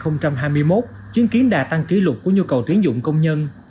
năm hai nghìn hai mươi một chứng kiến đà tăng kỷ lục của nhu cầu tuyển dụng công nhân